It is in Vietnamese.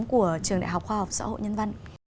của trường đại học khoa học xã hội nhân văn